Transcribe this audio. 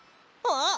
ああ！